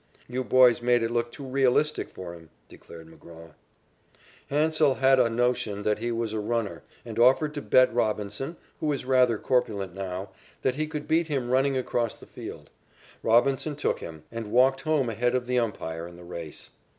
"You boys made it look too realistic for him," declared McGraw. Hansell had a notion that he was a runner and offered to bet Robinson, who is rather corpulent now, that he could beat him running across the field. Robinson took him, and walked home ahead of the umpire in the race.